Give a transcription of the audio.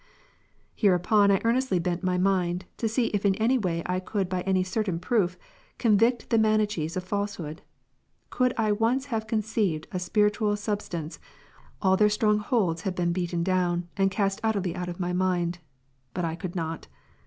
25. Hereupon I earnestly bent my mind, to see if in any way I could by any certain proof convict the Manichees of falsehood. Could I once have conceived a spiritual sub stance, all their strong holds had been beaten down, and cast utterly out of my mind; but I could not.